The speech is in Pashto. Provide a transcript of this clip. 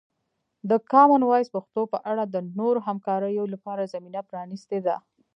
د کامن وایس پښتو په اړه د نورو همکاریو لپاره زمینه پرانیستې ده.